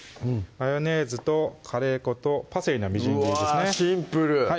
マヨネーズとカレー粉とパセリのみじん切りですねわ